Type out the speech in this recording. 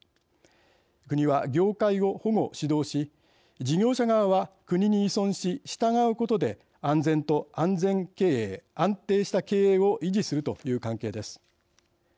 国は業界を保護・指導し事業者側は国に依存し従うことで安全と安全経営、安定した経営を維持するという関係です。